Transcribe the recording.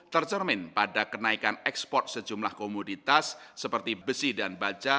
tercermin pada kenaikan ekspor sejumlah komoditas seperti besi dan baja